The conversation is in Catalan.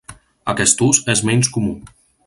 Aquest ús és menys comú.